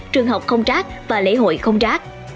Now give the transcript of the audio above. trường học không rác và lễ hội không rác